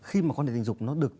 khi mà quan điểm tình dục